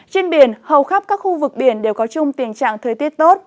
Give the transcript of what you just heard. trên biển hầu khắp các khu vực biển đều có chung tình trạng thời tiết tốt